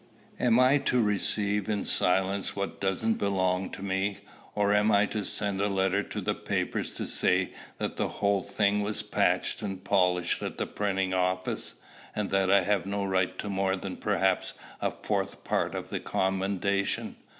Am I to receive in silence what doesn't belong to me, or am I to send a letter to the papers to say that the whole thing was patched and polished at the printing office, and that I have no right to more than perhaps a fourth part of the commendation?